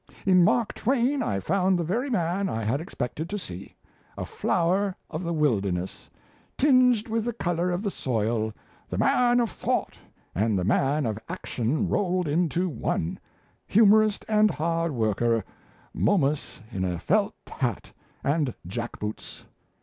In Mark Twain I found the very man I had expected to see a flower of the wilderness, tinged with the colour of the soil, the man of thought and the man of action rolled into one, humorist and hard worker, Momus in a felt hat and jack boots.